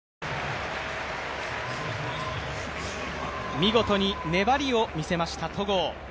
見事に粘りを見せました戸郷。